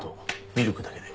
ミルクだけで。